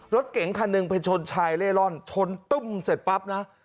รถเก๋งคันหนึ่งไปชนชายเล่ร่อนชนตุ้มเสร็จปั๊บนะ